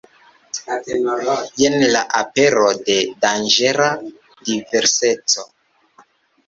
Jen la apero de danĝera diverseco.